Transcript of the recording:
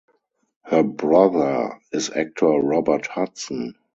Her brother is actor Robert Hudson.